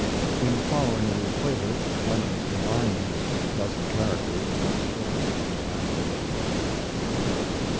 [In Following the Equator Clemens combined these two pleasant characters in one story, with elaborations.